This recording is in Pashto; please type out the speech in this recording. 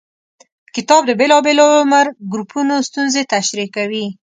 کتاب د بېلابېلو عمر ګروپونو ستونزې تشریح کوي.